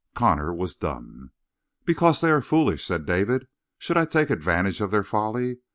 Connor was dumb. "Because they are foolish," said David, "should I take advantage of their folly?